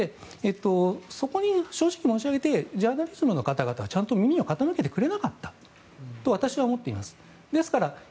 そこに正直申し上げてジャーナリズムの方々は耳を傾けてくれなかったと私は思っています。